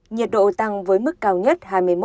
nhiệt độ tăng với mức cao nhất hai mươi một